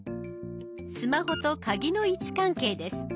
スマホとカギの位置関係です。